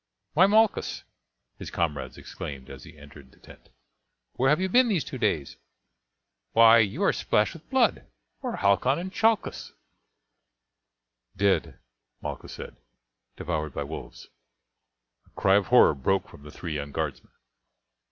"Why, Malchus!" his comrades exclaimed as he entered the tent, "where have you been these two days? Why, you are splashed with blood. Where are Halcon and Chalcus?" "Dead," Malchus said "devoured by wolves." A cry of horror broke from the three young guardsmen.